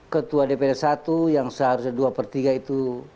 ketua dpd satu yang seharusnya dua per tiga itu